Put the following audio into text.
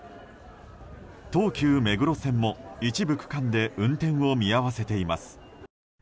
東急目黒線も一部区間で運転を見合わせています。